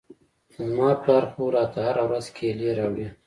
زما پلار خو راته هره ورځ کېلې راوړي.